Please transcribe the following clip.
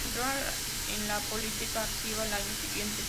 Entró en la política activa al año siguiente.